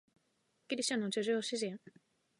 ギリシャの叙情詩人